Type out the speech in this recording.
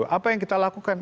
apa yang kita lakukan